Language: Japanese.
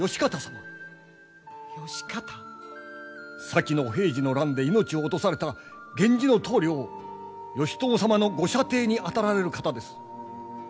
先の平治の乱で命を落とされた源氏の棟梁義朝様のご舎弟にあたられる方です。